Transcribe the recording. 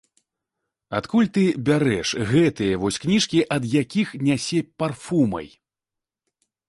Адкуль ты бярэш гэтыя вось кніжкі, ад якіх нясе парфумай?